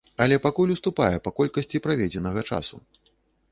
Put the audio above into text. Але пакуль уступае па колькасці праведзенага часу.